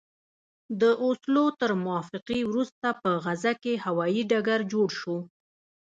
د اوسلو تر موافقې وروسته په غزه کې هوايي ډګر جوړ شو.